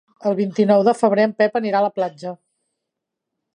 El vint-i-nou de febrer en Pep anirà a la platja.